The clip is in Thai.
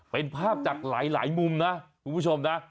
เป็นภาพจากหลายมุมนะคุณผู้ชมนะ